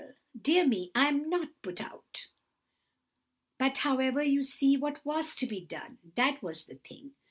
—dear me, I'm quite put out. But however, you see—what was to be done, that was the thing.